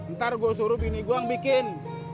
ntar gue suruh gini gue yang bikin